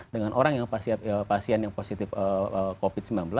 dengan orang yang pasien yang positif covid sembilan belas